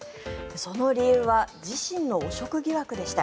その理由は自身の汚職疑惑でした。